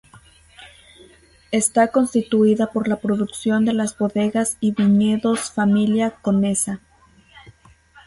Está constituida por la producción de las Bodegas y Viñedos Familia Conesa.